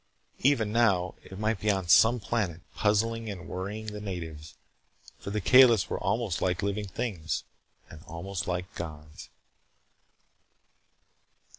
Even now, it might be on some planet, puzzling and worrying the natives. For the Kalis were almost like living things and almost like gods.